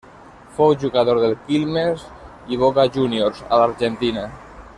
Fou jugador de Quilmes i Boca Júniors a l'Argentina.